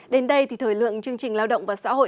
đến đây thì thời lượng chương trình lao động và xã hội